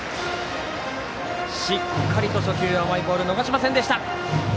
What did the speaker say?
しっかりと初球甘いボールを逃しませんでした。